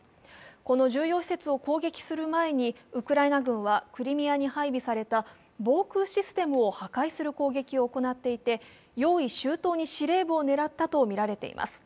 この重要施設を攻撃する前にウクライナ軍はクリミアに配備された防空システムを破壊する攻撃を行っていて、用意周到に司令部を狙ったとみられています。